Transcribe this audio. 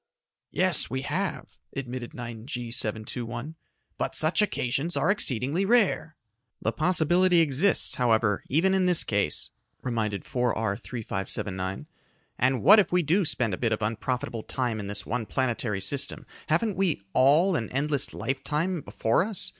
"Yes, we have," admitted 9G 721, "but such occasions are exceedingly rare." "The possibility exists, however, even in this case," reminded 4R 3579, "and what if we do spend a bit of unprofitable time in this one planetary system haven't we all an endless lifetime before us?